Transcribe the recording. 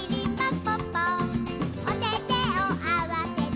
ぽっぽおててをあわせて」